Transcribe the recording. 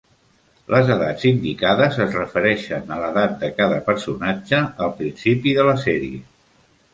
Les edats indicades es refereixen a l'edat de cada personatge al principi de la sèrie.